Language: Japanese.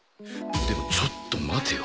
でもちょっと待てよ。